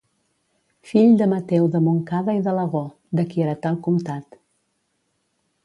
Fill de Mateu de Montcada i d'Alagó, de qui heretà el comtat.